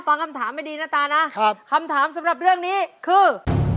ฟังคำถามให้ดีนะตานะคำถามสำหรับเรื่องนี้คือ